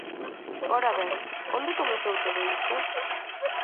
Ora ben, onde comezou todo iso?